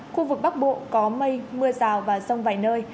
khu vực bắc bộ có mây mưa rào và rông vài nơi